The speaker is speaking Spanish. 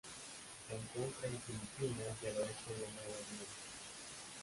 Se encuentra en Filipinas y al oeste de Nueva Guinea.